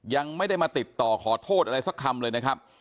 ยังไม่ได้มาติดต่อขอโทษอะไรสักคำเลยนะครับ